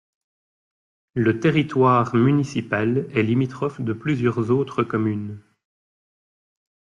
Le territoire municipal est limitrophe de plusieurs autres communes.